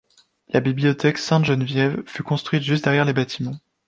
La bibliothèque Sainte-Geneviève fut construite juste derrière les bâtiments.